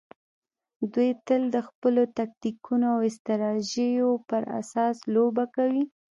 دوی تل د خپلو تکتیکونو او استراتیژیو پر اساس لوبه کوي.